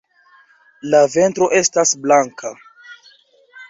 La ventro estas blanka.